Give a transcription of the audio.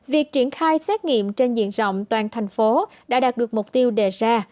việc triển khai xét nghiệm trên diện rộng toàn thành phố đã đạt được mục tiêu đề ra